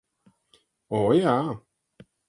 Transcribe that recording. O, jā!